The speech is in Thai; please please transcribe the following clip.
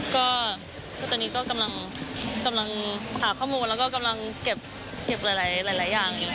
ก็ตอนนี้ก็กำลังหาข้อมูลแล้วก็กำลังเก็บหลายอย่างอยู่